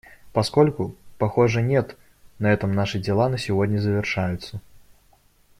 Поскольку, похоже, нет, на этом наши дела на сегодня завершаются.